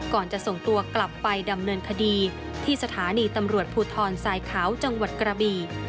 ก่อนจะส่งตัวกลับไปดำเนินคดีที่สถานีตำรวจภูทรทรายขาวจังหวัดกระบี